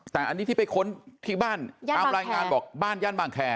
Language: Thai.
แต่อันนี้ที่ไปค้นที่บ้านตามรายงานบอกบ้านย่านบางแคร์